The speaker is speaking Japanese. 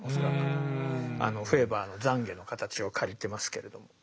あのフェーバーの懺悔の形を借りてますけれども。